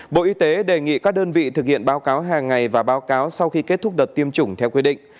bộ y tế đề nghị các đơn vị thực hiện báo cáo hàng ngày và báo cáo sau khi kết thúc đợt tiêm chủng theo quy định